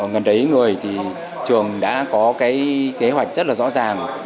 gần đấy người thì trường đã có cái kế hoạch rất là rõ ràng